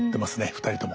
２人とも。